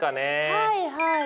はいはい。